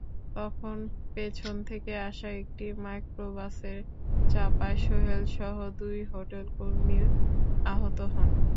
তখন পেছন থেকে আসা একটি মাইক্রোবাসের চাপায় সোহেলসহ দুই হোটেলকর্মী আহত হন।